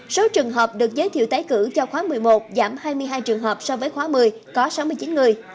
số trường hợp được giới thiệu tái cử cho khóa một mươi một giảm hai mươi hai trường hợp so với khóa một mươi có sáu mươi chín người